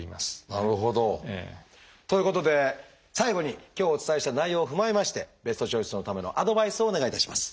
なるほど。ということで最後に今日お伝えした内容を踏まえましてベストチョイスのためのアドバイスをお願いいたします。